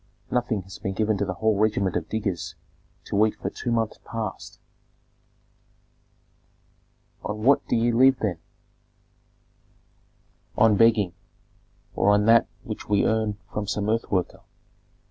Nothing has been given to the whole regiment of diggers to eat for two months past." "On what do ye live then?" "On begging, or on that which we earn from some earth worker.